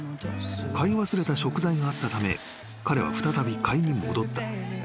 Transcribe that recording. ［買い忘れた食材があったため彼は再び買いに戻った］